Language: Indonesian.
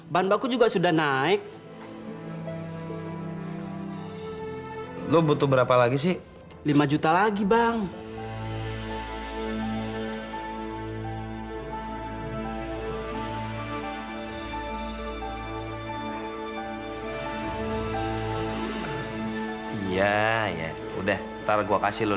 masa lu nyuruh nyuruh gua sih